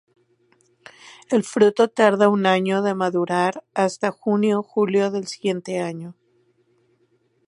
El fruto tarda un año en madurar hasta junio-julio del siguiente año.